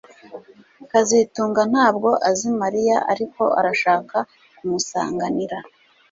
kazitunga ntabwo azi Mariya ariko arashaka kumusanganira